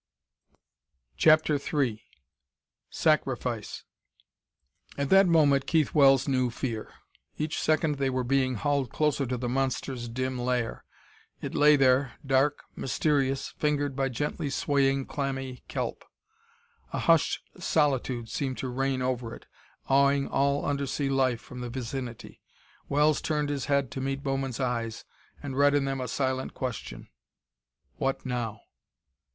CHAPTER III Sacrifice At that moment Keith Wells knew fear. Each second they were being hauled closer to the monster's dim lair. It lay there, dark, mysterious, fingered by gently swaying, clammy kelp. A hushed solitude seemed to reign over it, aweing all undersea life from the vicinity.... Wells turned his head to meet Bowman's eyes, and read in them a silent question. What now?